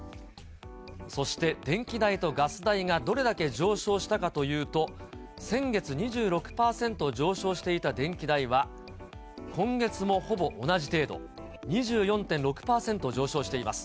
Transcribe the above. そして電気代とガス代がどれだけ上昇したかというと、先月２６％上昇していた電気代は、今月もほぼ同じ程度、２４．６％上昇しています。